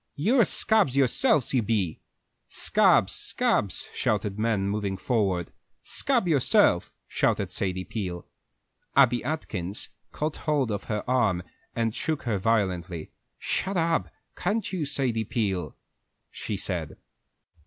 You're scabs yourselves, you be!" "Scabs, scabs!" shouted the men, moving forward. "Scab yourself!" shouted Sadie Peel. Abby Atkins caught hold of her arm and shook her violently. "Shut up, can't you, Sadie Peel," she said.